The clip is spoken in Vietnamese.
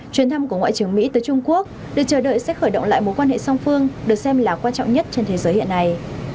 chuyến thăm của ngoại trưởng mỹ tới trung quốc được chờ đợi sẽ khởi động lại mối quan hệ song phương được xem là quan trọng nhất trên thế giới hiện nay